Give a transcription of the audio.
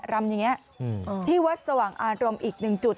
รำวัดสว่างอารมณ์อีกนึงจุด